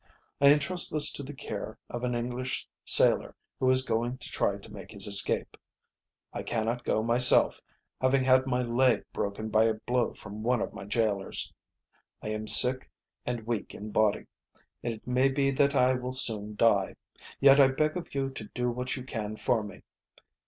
"I entrust this to the care of an English sailor who is going to try to make his escape. I cannot go myself, having had my leg broken by a blow from one of my jailers. "I am sick and weak in body, and it may be that I will soon die. Yet I beg of you to do what you can for me.